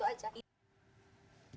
udah itu aja